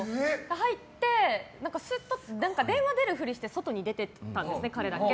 入って、電話出るをふりして外に出て行ったんですね、彼だけ。